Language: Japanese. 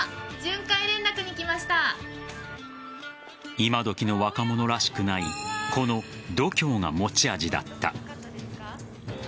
今どきの若者らしくないこの度胸が持ち味だった。